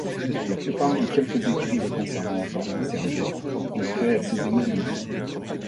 La plupart des quelques écrits le concernant encore conservés ont trait à ses émoluments.